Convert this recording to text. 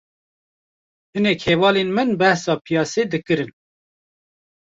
Hinek hevalên min behsa piyasê dikirin